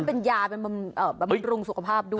เขาว่ามันเป็นยาบำรุงสุขภาพด้วย